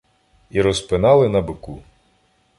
І розпинали на бику.